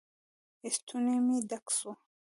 ستونى مې ډک سو.